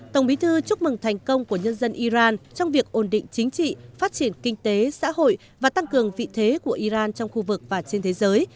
tổng bí thư chúc mừng thành công của nhân dân iran trong việc ổn định chính trị phát triển kinh tế xã hội và tăng cường vị thế của iran trong khu vực và trên thế giới